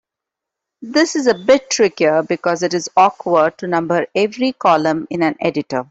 This is a bit trickier because it is awkward to number every column in an editor.